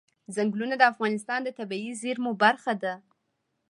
ځنګلونه د افغانستان د طبیعي زیرمو برخه ده.